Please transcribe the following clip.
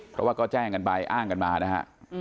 เพราะว่าก็แจ้งกันไปอ้างกันมานะฮะ